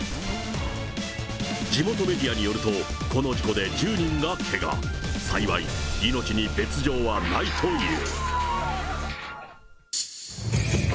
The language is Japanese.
地元メディアによると、この事故で１０人がけが、幸い、命に別状はないという。